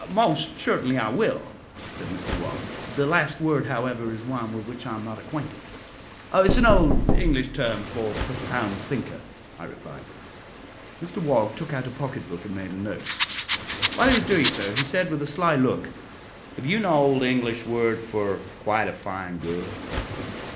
"Most certainly I will," said Mr Wog; "the last word, however, is one with which I am not acquainted." "It is an old English term for profound thinker," I replied. Mr Wog took out a pocket book, and made a note; while he was doing so, he said, with a sly look, "Have you an old English word for 'quite a fine gurl'?"